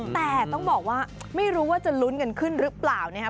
แต่ต้องบอกว่าไม่รู้ว่าจะลุ้นกันขึ้นหรือเปล่านะครับ